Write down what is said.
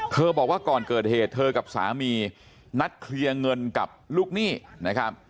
บอกว่าก่อนเกิดเหตุเธอกับสามีนัดเคลียร์เงินกับลูกหนี้นะครับ